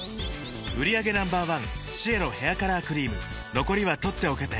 売上№１シエロヘアカラークリーム残りは取っておけて